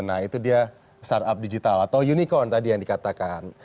nah itu dia startup digital atau unicorn tadi yang dikatakan